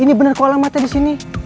itu bener saya mau nanti ya